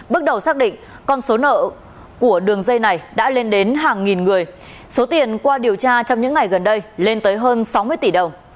bước đầu xác định con số nợ của đường dây này đã lên đến hàng nghìn người số tiền qua điều tra trong những ngày gần đây lên tới hơn sáu mươi tỷ đồng